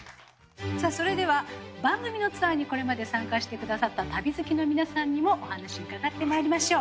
それでは番組のツアーにこれまで参加してくださった旅好きの皆さんにもお話伺ってまいりましょう。